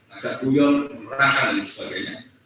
ajak buyong merangkang dan sebagainya